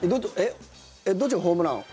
どっちがホームランを？